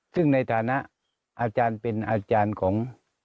ซึ่งในฐานะอาจารย์เป็นอาจารย์ของ